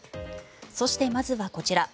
そして、まずはこちら。